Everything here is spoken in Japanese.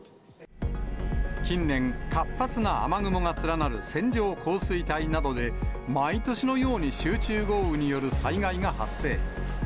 近年、活発な雨雲が連なる線状降水帯などで、毎年のように集中豪雨による災害が発生。